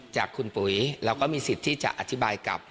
จากคุณปุ๋ยเราก็มีสิทธิ์ที่จะอธิบายกับ